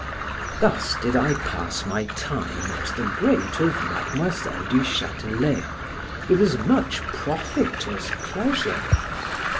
Thus did I pass my time at the grate of Mademoiselle du Chatelet, with as much profit as pleasure.